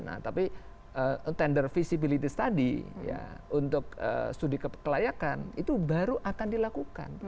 nah tapi tender visibility study ya untuk studi kelayakan itu baru akan dilakukan